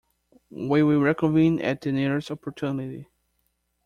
We will reconvene at the nearest opportunity.